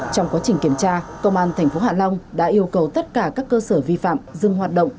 trong quá trình kiểm tra công an tp hạ long đã yêu cầu tất cả các cơ sở vi phạm dừng hoạt động